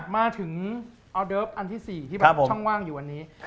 มาถึงออเดิฟอันที่๔ที่แบบช่องว่างอยู่วันนี้